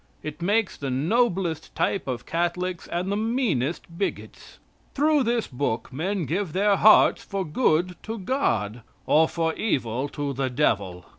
It makes the noblest type of Catholics and the meanest bigots. Through this book men give their hearts for good to God, or for evil to the Devil.